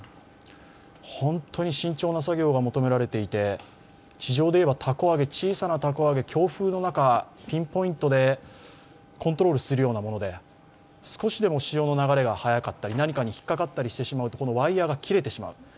本当に慎重な作業が求められていて地上でいえば小さなたこ揚げ、強風の中、ピンポイントでコントロールするようなもので少しでも潮の流れが速かったり何かに引っかかってしまったりするとワイヤーが切れてしまう。